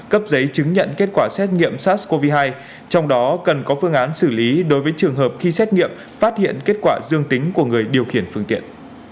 cấp giấy chứng nhận kết quả xét nghiệm sars cov hai trong đó cần có phương án xử lý đối với trường hợp khi xét nghiệm phát hiện kết quả dương tính của người điều khiển phương tiện